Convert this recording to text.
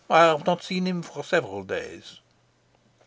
I have not seen him for several days."